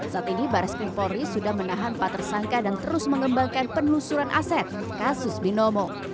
saat ini baris pimpori sudah menahan patersangka dan terus mengembangkan penelusuran aset kasus binomo